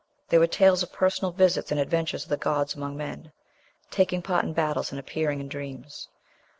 "There were tales of personal visits and adventures of the gods among men, taking part in battles and appearing in dreams.